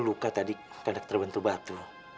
luka tadi karena terbentuk batu